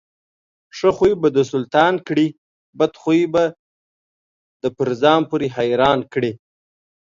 ښه خوى به دسلطان کړي، بدخوى به دپرځان پورې حيران کړي.